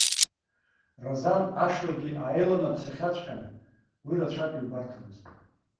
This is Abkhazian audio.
Разан ашлагьы ааиланаԥсахьаҵәҟьан, уи рацәак иубарҭамызт.